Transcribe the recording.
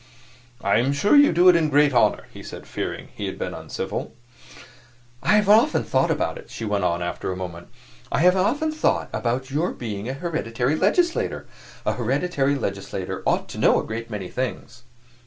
"I am sure you do it a great honor," he said, fearing he had been uncivil. "I have often thought about it," she went on after a moment. "I have often thought about your being a hereditary legislator. A hereditary legislator ought to know a great many things."